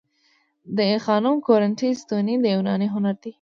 د آی خانم کورینتی ستونې د یوناني هنر دي